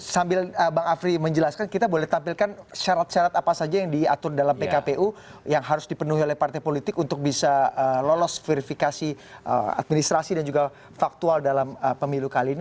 sambil bang afri menjelaskan kita boleh tampilkan syarat syarat apa saja yang diatur dalam pkpu yang harus dipenuhi oleh partai politik untuk bisa lolos verifikasi administrasi dan juga faktual dalam pemilu kali ini